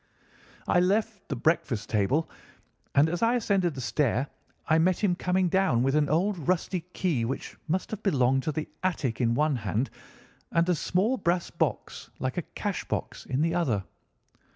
I left the breakfast table, and as I ascended the stair I met him coming down with an old rusty key, which must have belonged to the attic, in one hand, and a small brass box, like a cashbox, in the other.